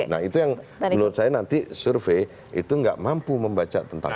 nah itu yang menurut saya nanti survei itu nggak mampu membaca tentang itu